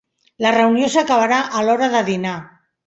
La reunió s'acabarà a l'hora de dinar.